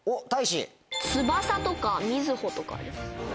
「つばさ」とか「みずほ」とかあります。